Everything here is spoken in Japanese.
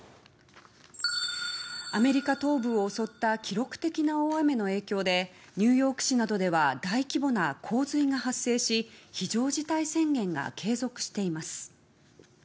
アメリカ東部を襲った記録的な大雨の影響でニューヨーク市などでは大規模な洪水が発生し非常事態宣言が継続しています。